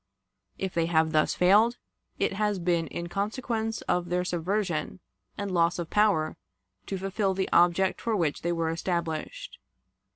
If they have thus failed, it has been in consequence of their subversion and loss of power to fulfill the object for which they were established.